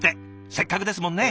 せっかくですもんね。